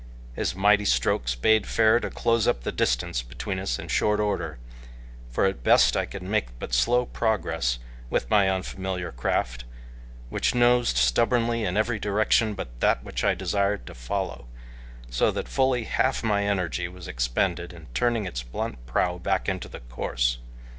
His mighty strokes bade fair to close up the distance between us in short order, for at best I could make but slow progress with my unfamiliar craft, which nosed stubbornly in every direction but that which I desired to follow, so that fully half my energy was expended in turning its blunt prow back into the course.